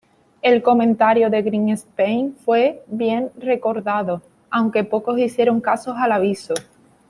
El comentario de Greenspan fue bien recordado, aunque pocos hicieron caso al aviso.